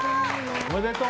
おめでとう！